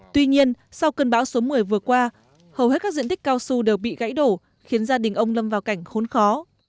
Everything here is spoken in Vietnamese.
tuy nhiên sau cơn bão số một mươi vừa qua hầu hết các diện tích cao su đều bị gãy đổ khiến gia đình ông lâm vào cảnh khốn khó